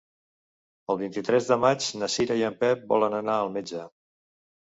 El vint-i-tres de maig na Cira i en Pep volen anar al metge.